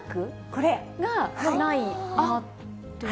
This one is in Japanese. これ？が、ないなと。